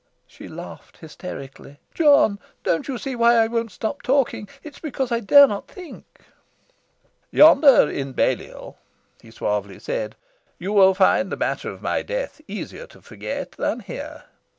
She laughed hysterically. "John, don't you see why I won't stop talking? It's because I dare not think." "Yonder in Balliol," he suavely said, "you will find the matter of my death easier to forget than here."